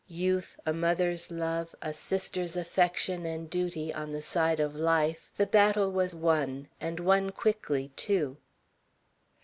Youth, a mother's love, a sister's affection and duty, on the side of life, the battle was won, and won quickly, too.